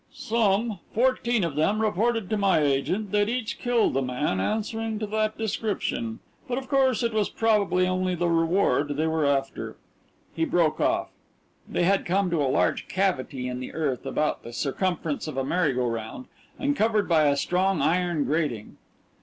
"Some. Fourteen of them reported to my agent they'd each killed a man answering to that description, but of course it was probably only the reward they were after " He broke off. They had come to a large cavity in the earth about the circumference of a merry go round, and covered by a strong iron grating.